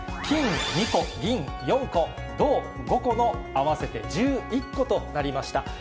金２個、銀４個、銅５個の合わせて１１個となりました。